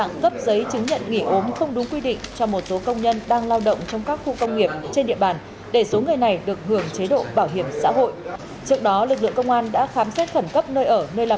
liên quan đến vụ giấy cấp chứng nhận nghỉ ốm không đúng quy định cho công nhân đang lao động tại các khu công nghiệp nguyên trạm trưởng trạm y tế phường đồng văn thị xã duy tiên phê chuẩn quyết định khởi tố bắt tạm giả